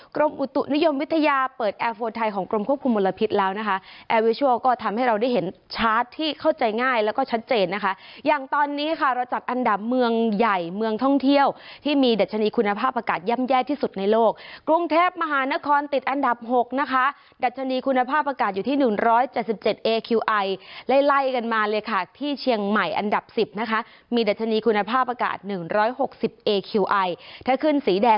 กรมอุตุนิยมวิทยาเปิดแอร์โฟนไทยของกรมควบคุมมลพิษแล้วนะคะแอร์วิชัวร์ก็ทำให้เราได้เห็นชาร์จที่เข้าใจง่ายแล้วก็ชัดเจนนะคะอย่างตอนนี้ค่ะเราจัดอันดับเมืองใหญ่เมืองท่องเที่ยวที่มีดัชนีคุณภาพอากาศย่ำแย่ที่สุดในโลกกรุงเทพมหานครติดอันดับหกนะคะดัชนีคุณภาพอากาศอยู่ที่หนึ่